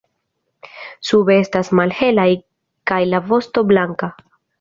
Sube estas malhelaj kaj la vosto blanka.